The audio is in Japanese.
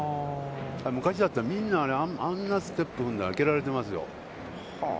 昔だったら、あんなステップ踏んだら、蹴られてますよ。